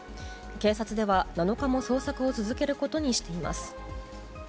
警察では７日も捜索を続けることにしています。